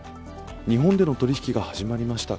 日本での取引が始まりました